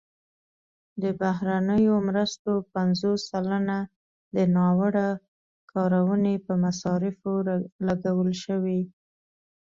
د بهرنیو مرستو پنځوس سلنه د ناوړه کارونې په مصارفو لګول شوي.